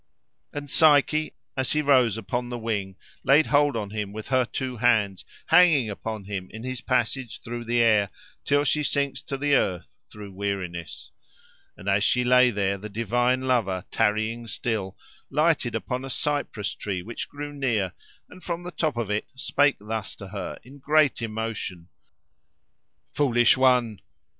And Psyche, as he rose upon the wing, laid hold on him with her two hands, hanging upon him in his passage through the air, till she sinks to the earth through weariness. And as she lay there, the divine lover, tarrying still, lighted upon a cypress tree which grew near, and, from the top of it, spake thus to her, in great emotion. "Foolish one!